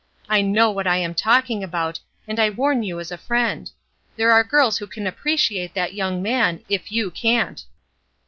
I know what I am talking about, and I warn you as a JORAM PRATT 55 friend. There are girls who can appreciate that young man, if you can't."